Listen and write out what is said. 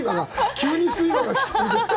急に睡魔が来た。